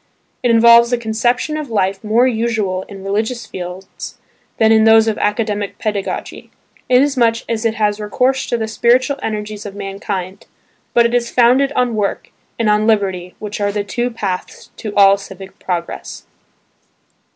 It involves a conception of life more usual in religious fields than in those of academic pedagogy, inasmuch as it has recourse to the spiritual energies of mankind, but it is founded on work and on liberty which are the two paths to all civic progress.